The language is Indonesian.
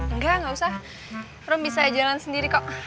enggak gak usah rum bisa jalan sendiri kok